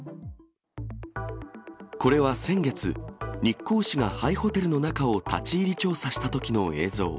これは先月、日光市が廃ホテルの中を立ち入り調査したときの映像。